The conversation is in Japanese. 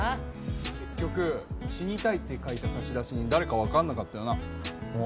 結局「死にたい」って書いた差出人誰か分かんなかったよなああ